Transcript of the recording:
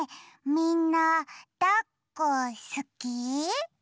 みんなだっこすき？